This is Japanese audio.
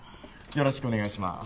よろしくお願いします